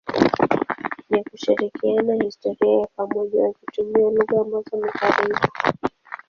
na kushirikiana historia ya pamoja wakitumia lugha ambazo ni karibu.